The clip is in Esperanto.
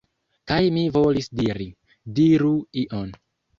Kaj mi volis diri: "Diru ion!"